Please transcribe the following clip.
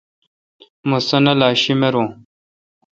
مہ سنالا شیمرون۔